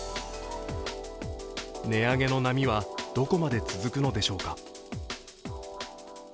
値上げの波はどこまで続くのでしょうか。